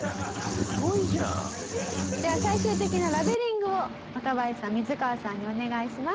すごいじゃん。では最終的なラベリングを若林さんミズカワさんにお願いします。